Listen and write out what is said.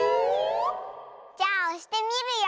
じゃあおしてみるよ！